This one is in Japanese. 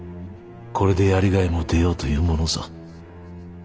これでやりがいも出ようというものぞ。